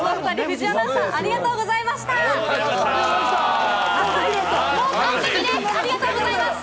ハライチのお二人、藤井アナウンサー、ありがとうございました。